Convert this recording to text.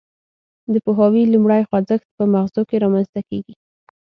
د پوهاوي لومړی خوځښت په مغزو کې رامنځته کیږي